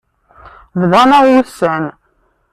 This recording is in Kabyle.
Bḍan-aɣ wussan.